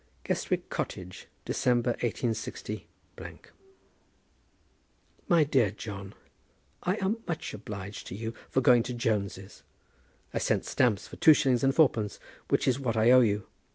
Guestwick Cottage, December, 186 . MY DEAR JOHN, I am much obliged to you for going to Jones's. I send stamps for two shillings and fourpence, which is what I owe you.